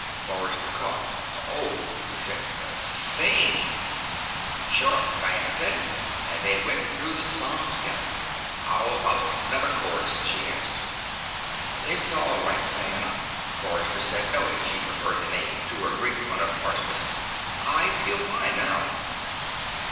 Forrester coughed. "Oh," he said. "Sing." "Sure," Diana said, and they went through the song together. "How about another chorus?" she asked. "It's all right, Diana," Forrester said, knowing she preferred the name to her Greek one of Artemis. "I feel fine now."